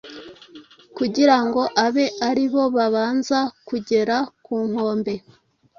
kugira ngo abe ari bo babanza kugera ku nkombe;